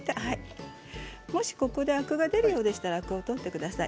もしここでアクが出るようでしたら取ってください。